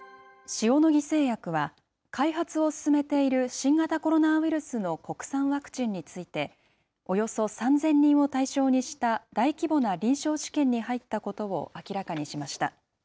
新型コロナウイルスの国産ワクチンについて、およそ３０００人を対象にした大規模な臨床試験に入ったことを明らかにしました。